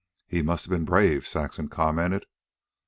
"He must have been brave," Saxon commented.